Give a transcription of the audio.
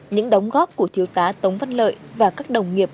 những đóng góp của thiếu tá tống văn lợi và các đồng nghiệp